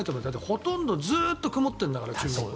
ほとんどずっと曇ってるんだから。